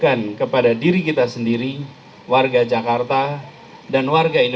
maka bisa dianggap sebagai pelanggan ketemu lebih baik